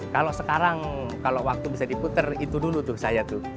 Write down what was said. kalau sekarang kalau waktu bisa diputer itu dulu tuh saya tuh